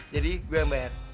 jadi gua yang bayar